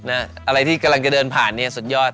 อะไรที่กำลังจะเดินผ่านเนี่ยสุดยอด